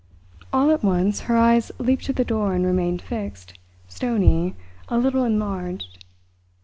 All at once her eyes leaped to the door and remained fixed, stony, a little enlarged.